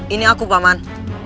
ini aku paman